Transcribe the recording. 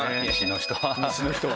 西の人は。